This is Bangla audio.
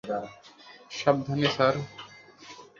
সাবধানে, স্যার।